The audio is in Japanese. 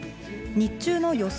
日中の予想